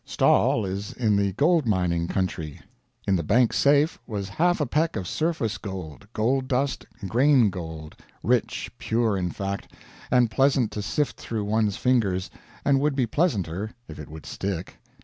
Stawell is in the gold mining country. In the bank safe was half a peck of surface gold gold dust, grain gold; rich; pure in fact, and pleasant to sift through one's fingers; and would be pleasanter if it would stick.